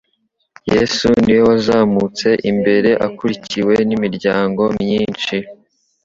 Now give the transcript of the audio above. Yesu ni we wazamutse imbere akurikiwe n'iminyago myinshi,